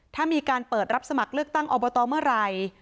ถ้ามีการเปิดรับสมัครเลือกตั้งอบตเมื่อไหร่